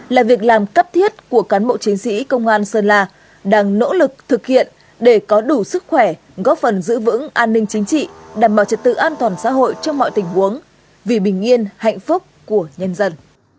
là việc làm cấp thiết của cán bộ chiến sĩ công an sơn la đang nỗ lực thực hiện để có đủ sức khỏe góp phần giữ vững an ninh chính trị đảm bảo trật tự an toàn xã hội trong mọi tình huống vì bình yên hạnh phúc của nhân dân